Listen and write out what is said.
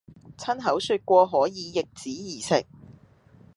親口説過可以「易子而食」；